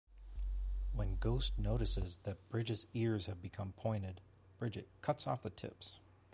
When Ghost notices that Brigitte's ears have become pointed, Brigitte cuts off the tips.